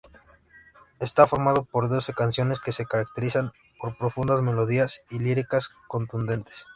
Está formado por doce canciones, que se caracterizan por profundas melodías y líricas contundentes.